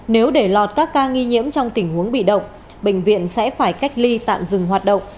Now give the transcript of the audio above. nếu để lọt các ca nghi nhiễm trong tình huống bị động bệnh viện sẽ phải cách ly tạm dừng hoạt động